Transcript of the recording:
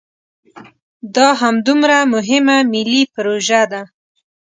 دا همدومره مهمه ملي پروژه ده.